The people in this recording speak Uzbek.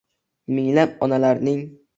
Minglab onalarning